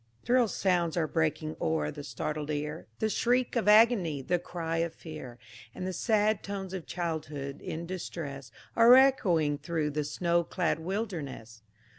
"Thrill sounds are breaking o'er the startled ear, The shriek of agony, the cry of fear; And the sad tones of childhood in distress, Are echoing through the snow clad wilderness!